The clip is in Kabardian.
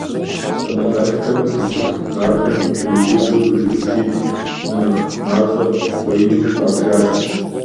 ЩӀэныгъэлӀхэм зы цӀыху гъащӀэм къриубыдэу жыг щитӀ мынэхъ мащӀэ хуеину къабжащ.